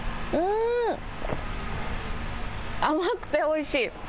甘くておいしい。